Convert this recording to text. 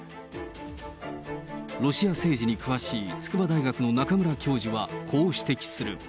ロシア政治に詳しい筑波大学の中村教授は、こう指摘する。